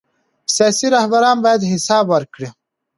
سیاسي رهبران باید حساب ورکړي